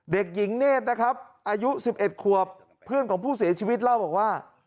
เด็กหญิงเนศอายุ๑๑ขวบเพื่อนของผู้เสียชีวิตเล่าว่า